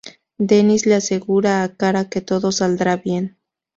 Dennis le asegura a Cara que todo saldrá bien.